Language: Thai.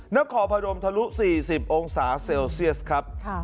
นับขอบรรยมทะลุ๔๐องศาเซลเซียสครับ